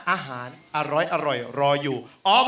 อาหารอร่อยรออยู่